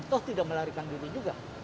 toh tidak melarikan diri juga